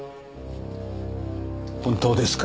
本当ですか？